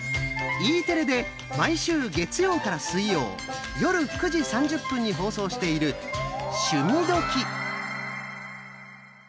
Ｅテレで毎週月曜から水曜夜９時３０分に放送している「趣味どきっ！」。